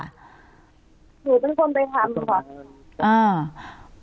ผมต้องไปทำก่อน